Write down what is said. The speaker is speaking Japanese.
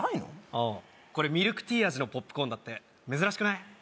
ああこれミルクティー味のポップコーンだって珍しくない？